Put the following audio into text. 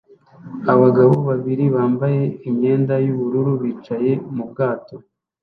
Abagabo babiri bambaye imyenda y'ubururu bicaye mu bwato